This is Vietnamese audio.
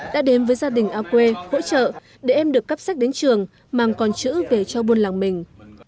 đã đến với gia đình ao quê hỗ trợ để em được cắp sách đến trường mang con chữ về cho buôn làng mình